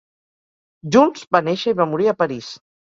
Jules va néixer i va morir a París.